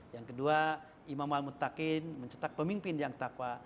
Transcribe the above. yang kedua imam mal mutakin mencetak pemimpin yang takwa